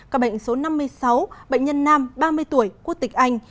các bệnh số năm mươi sáu bệnh nhân nam ba mươi tuổi quốc tịch anh